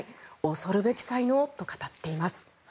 恐るべき才能と語っています。